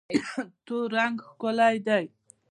تور رنګ ښکلی دی.